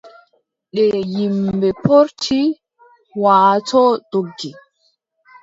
Nde yimɓe poorti, waatoo doggi,